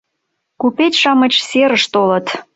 Купеч-шамыч серыш толыт